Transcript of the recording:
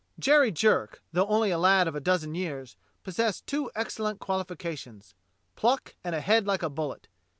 Jerry Jerk, though only a lad of a dozen years, possessed two excellent qualifications : pluck and a head like a bullet.